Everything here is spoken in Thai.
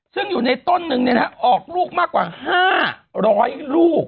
ซึ่งอยู่ในต้นหนึ่งเนี้ยนะออกลูกมากกว่าห้าร้อยลูก